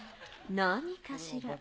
何かしら？